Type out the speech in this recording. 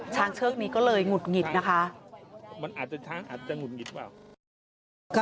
ช้างเชิกนี้ก็เลยหงุดหงิดนะคะ